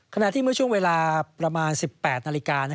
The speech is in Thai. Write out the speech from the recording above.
ขณะที่เมื่อช่วงเวลาประมาณ๑๘นาฬิกา